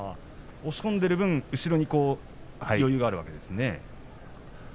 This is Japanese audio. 押し込んでいる分後ろに余裕があるわけですね。